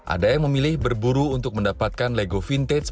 ada yang memilih berburu untuk mendapatkan lego vintage